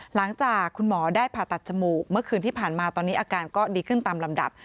หลังจากคุณหมอได้ผ่าตัดจมูกเมื่อคืนที่ผ่านมาตอนนี้อาการก็ดีขึ้นตามลำดับ